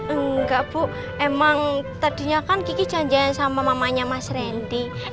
enggak bu emang tadinya kan kiki janjian sama mamanya mas randy